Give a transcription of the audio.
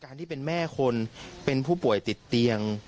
ที่เป็นแม่คนเป็นผู้ป่วยติดเตียง